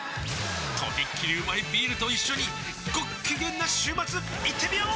とびっきりうまいビールと一緒にごっきげんな週末いってみよー！